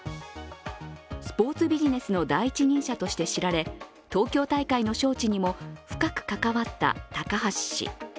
スポーツビジネスの第一人者として知られ東京大会の招致にも深く関わった高橋氏。